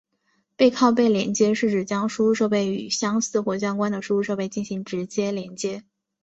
背靠背连接是指将输出设备与相似或相关的输入设备进行直接连接。